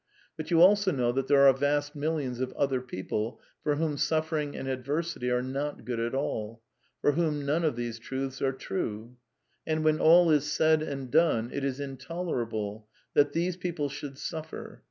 But you also know that there are vast mil lions of other people for whom suffering and adversity are not good at all; for whom none of these truths are true. And when all is said and done, it is intolerable i that these people should suffer.